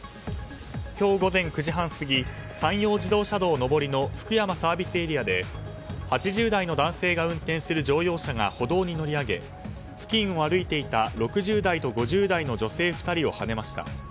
今日午前９時半過ぎ山陽自動車道上りの福山ＳＡで８０代の男性が運転する乗用車が歩道に乗り上げ付近を歩いていた６０代と５０代の女性２人をはねました。